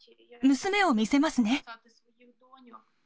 娘を見せますね。